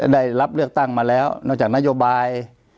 ได้รับเลือกตั้งมาแล้วนอกจากนโยบาย